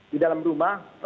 di dalam rumah